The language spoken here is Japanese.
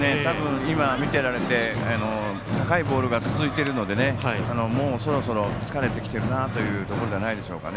見てられて高いボールが続いているのでもう、そろそろ疲れてきているなというところじゃないでしょうか。